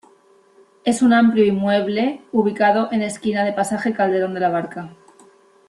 Es un amplio inmueble, ubicado en esquina de pasaje Calderón de la Barca.